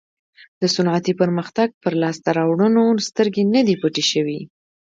د صنعتي پرمختګ پر لاسته راوړنو سترګې نه دي پټې شوې.